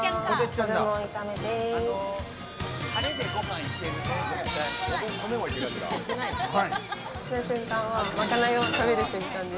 好きな瞬間はまかないを食べる瞬間です。